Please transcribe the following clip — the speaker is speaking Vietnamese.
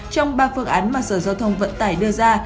trong ba phương án mà sở giao thông vận tải đưa ra